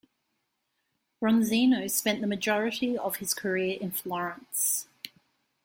Bronzino spent the majority of his career in Florence.